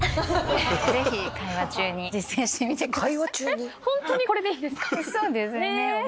ぜひ会話中に実践してください。